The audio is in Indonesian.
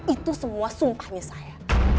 itu semua sumpahnya saya